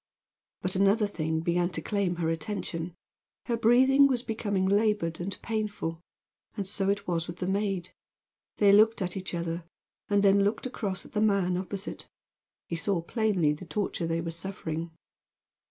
But another thing began to claim her attention. Her breathing was becoming labored and painful. And so it was with the maid. They looked at each other, and then looked across at the man opposite. He saw plainly the torture they were suffering.